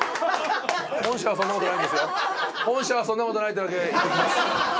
本社はそんなことないってだけ言っときます。